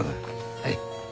はい。